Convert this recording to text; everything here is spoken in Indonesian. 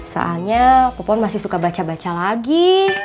soalnya kupon masih suka baca baca lagi